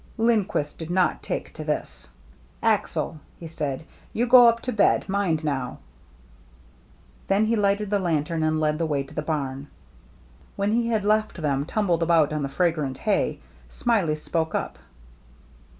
Lindquist did not take to this. " Axel/' he said, " you go up to bed. Mind, now !" Then he lighted the lantern and led the way to the barn. When he had left them, tumbled about on the fragrant hay. Smiley spoke up.